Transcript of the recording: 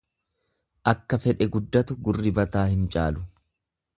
Akka fedhe guddatu gurri mataa hin caalu.